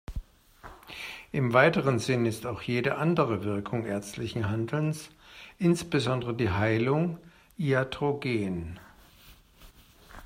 Im weiteren Sinn ist auch jede andere Wirkung ärztlichen Handelns, insbesondere die Heilung, iatrogen.